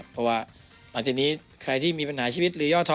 เพราะว่าหลังจากนี้ใครที่มีปัญหาชีวิตหรือย่อท้อ